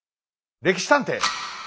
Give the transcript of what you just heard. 「歴史探偵」！